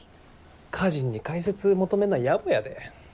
歌人に解説求めんのはやぼやで。